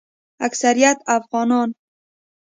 اکثریت افغانان